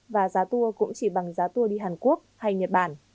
và giá tour cũng chỉ bằng giá tour đi hàn quốc hay nhật bản